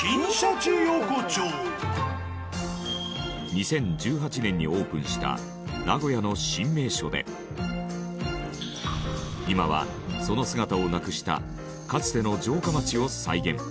２０１８年にオープンした名古屋の新名所で今はその姿をなくしたかつての城下町を再現。